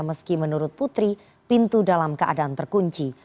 meski menurut putri pintu dalam keadaan terkunci